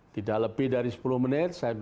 tidak lebih dari sepuluh menit saya sudah